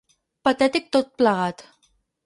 Patètic tot plegat!